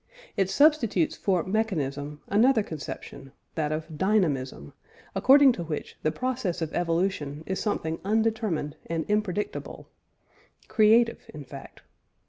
It substitutes for "mechanism" another conception that of "dynamism," according to which the process of evolution is something undetermined and impredictable "creative," in fact.